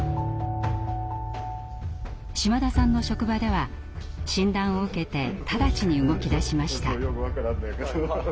島田さんの職場では診断を受けて直ちに動きだしました。